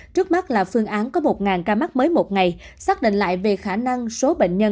trước mắt là phương án có một ca mắc mới một ngày xác định lại về khả năng số bệnh nhân